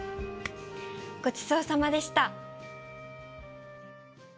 ごちそうさまでした。